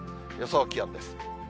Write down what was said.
予想気温です。